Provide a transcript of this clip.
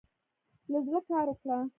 له زړۀ کار وکړه.